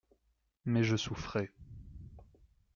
Mais je souffrais.